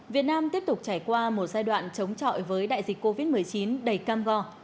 việt nam tiếp tục trải qua một giai đoạn chống chọi với đại dịch covid một mươi chín đầy cam go